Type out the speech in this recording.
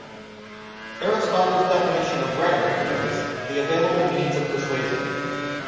Aristotle's definition of rhetoric is: the available means of persuasion.